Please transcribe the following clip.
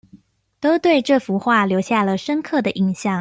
都對這幅畫留下了深刻的印象